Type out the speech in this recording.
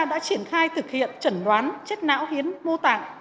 đã triển khai thực hiện trần đoán chết não hiến mô tạng